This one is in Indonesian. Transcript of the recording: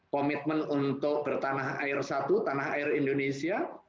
komitmen untuk bertanah air satu tanah air indonesia